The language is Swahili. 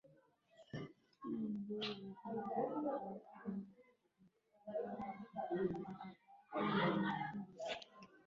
ii leo kwanza muktasari wa habari muziki